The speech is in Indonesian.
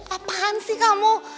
apaan sih kamu